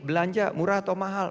belanja murah atau mahal